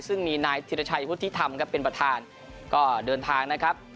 ซึ่งมีนายธิรชัยวุฒิธรรมครับเป็นประธานก็เดินทางนะครับ